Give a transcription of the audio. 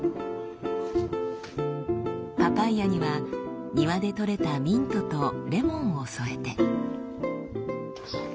パパイヤには庭で採れたミントとレモンを添えて。